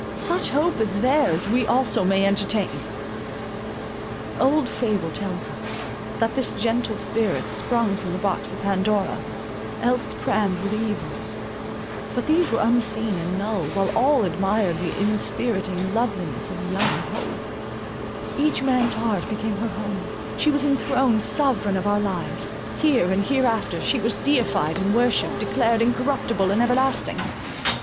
Such hope as theirs, we also may entertain! Old fable tells us, that this gentle spirit sprung from the box of Pandora, else crammed with evils; but these were unseen and null, while all admired the inspiriting loveliness of young Hope; each man's heart became her home; she was enthroned sovereign of our lives, here and here after; she was deified and worshipped, declared incorruptible and everlasting.